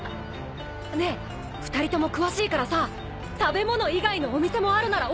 ねえ２人とも詳しいからさ食べ物以外のお店もあるなら教えてよ！